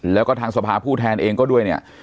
แล้วก็ทางสภาผู้แทนเองก็ด้วยเนี่ย